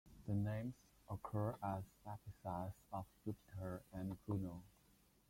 The names occur as epithets of Jupiter and Juno.